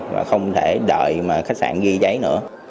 và không thể đợi mà khách sạn ghi giấy nữa